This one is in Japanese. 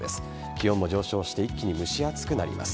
気温も上昇して一気に蒸し暑くなります。